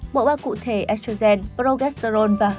bộ ba cụ thể estrogen progesterone và h hai